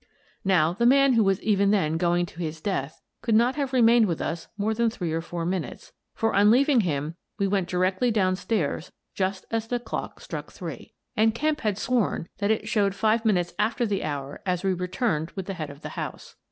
Now, the man who was even then going to his death could not have remained with us more than three or four minutes, for on leaving him we went directly down stairs just as the clock struck three, and Kemp had sworn that it showed five minutes after the hour as we returned with the head of the house.